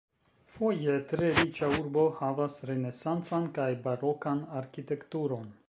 Foje tre riĉa urbo havas renesancan kaj barokan arkitekturon.